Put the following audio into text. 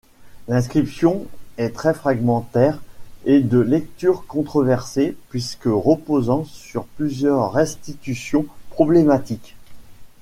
L'inscription est très fragmentaire et de lecture controversée puisque reposant sur plusieurs restitutions problématiques.